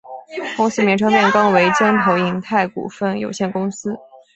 公司名称变更为京投银泰股份有限公司。